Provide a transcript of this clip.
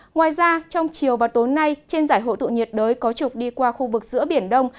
ngoài ra trong chiều và tối nay trên giải hộ tụ nhiệt đới có trục đi qua khu vực giữa biển đông